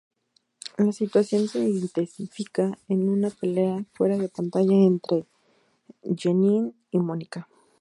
La situación se intensifica en una pelea fuera de pantalla entre Janine y Monica.